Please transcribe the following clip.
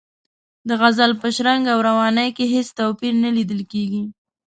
د غزل په شرنګ او روانۍ کې هېڅ توپیر نه لیدل کیږي.